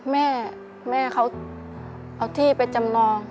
แม่แม่เขาเอาที่ไปจำนอง